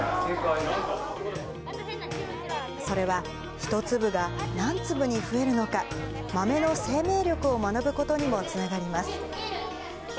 それは、１粒が何粒に増えるのか、豆の生命力を学ぶことにもつながります。